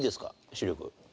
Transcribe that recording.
視力。